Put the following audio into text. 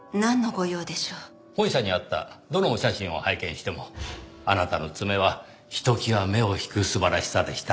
本社にあったどのお写真を拝見してもあなたの爪はひときわ目を引く素晴らしさでした。